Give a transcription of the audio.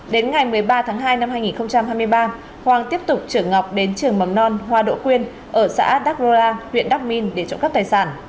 đến ngày một mươi ba tháng hai năm hai nghìn hai mươi ba hoàng tiếp tục trưởng ngọc đến trường mầm non hoa đỗ quyên ở xã đắk rô la huyện đắc minh để trộm cắp tài sản